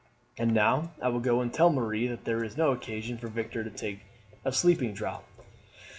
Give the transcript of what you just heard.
And now I will go and tell Marie that there is no occasion for Victor to take a sleeping draught."